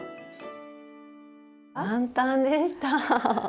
簡単でした！